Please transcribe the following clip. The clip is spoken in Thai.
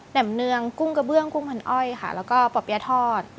มเนืองกุ้งกระเบื้องกุ้งพันอ้อยค่ะแล้วก็ป่อเปี๊ยะทอด